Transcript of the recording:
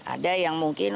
ada yang mungkin